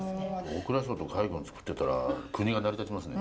大蔵省と海軍作ってたら国が成り立ちますね。